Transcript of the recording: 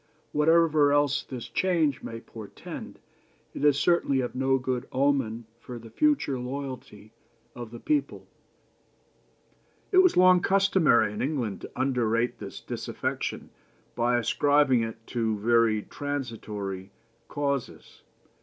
Whatever else this change may portend, it is certainly of no good omen for the future loyalty of the people. "It was long customary in England to underrate this disaffection by ascribing it to very transitory causes.